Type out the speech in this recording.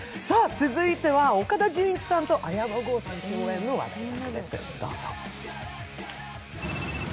続いては、岡田准一さんと綾野剛さん共演の映画です。